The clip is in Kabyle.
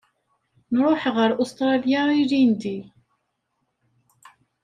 Nruḥ ɣer Usṭralya ilindi.